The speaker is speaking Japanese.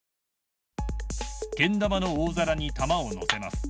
けん玉の大皿に玉を乗せます。